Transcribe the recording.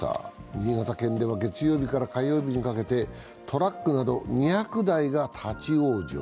新潟県では月曜日から火曜日にかけてトラックなど２００台が立往生。